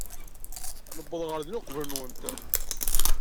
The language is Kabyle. Nuweḍ ɣer din uqbel-nwent.